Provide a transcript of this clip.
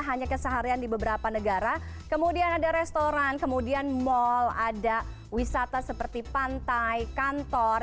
hanya keseharian di beberapa negara kemudian ada restoran kemudian mal ada wisata seperti pantai kantor